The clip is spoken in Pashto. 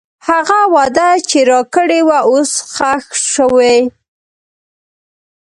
هغه وعده چې راکړې وه، اوس ښخ شوې.